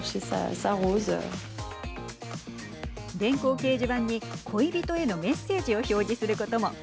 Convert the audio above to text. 電光掲示板に恋人へのメッセージを表示することも。